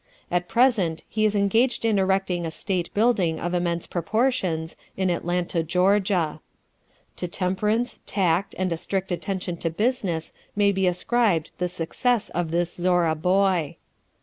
At present he is engaged in erecting a State building of immense proportions in Atlanta, Georgia. To temperance, tact, and a strict attention to business may be ascribed the success of this Zorra boy.